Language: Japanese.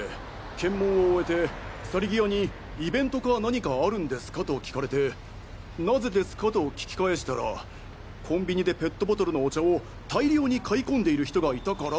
検問を終えて去り際に「イベントか何かあるんですか？」と聞かれて「なぜですか？」と聞き返したら「コンビニでペットボトルのお茶を大量に買い込んでいる人がいたから」